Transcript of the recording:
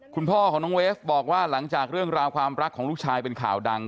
คุณพ่อของน้องเวฟบอกว่าหลังจากเรื่องราวความรักของลูกชายเป็นข่าวดัง